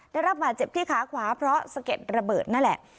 ได้รับบาดเจ็บที่ขาขวาเพราะสะเก็ดระเบิดนั่นแหละ